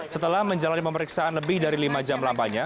setelah menjalani pemeriksaan lebih dari lima jam lampanya